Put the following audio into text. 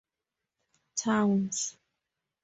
Towns.